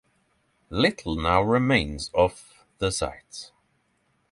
Little now remains of the site.